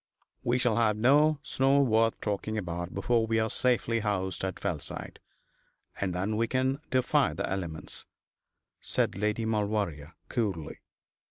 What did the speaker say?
'We shall have no snow worth talking about before we are safely housed at Fellside, and then we can defy the elements,' said Lady Maulevrier, coolly.